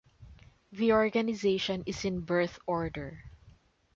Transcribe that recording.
The organization is in birth order.